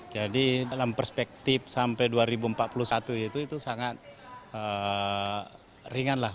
jadi dalam perspektif sampai dua ribu empat puluh satu itu itu sangat ringan lah untuk pemerintah